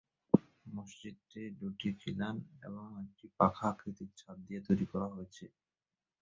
মসজিদটি দুইটি খিলান এবং একটি পাখা-আকৃতির ছাদ দিয়ে তৈরি করা হয়েছে।